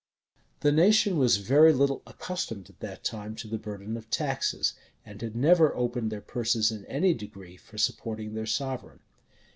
The nation was very little accustomed at that time to the burden of taxes, and had never opened their purses in any degree for supporting their sovereign.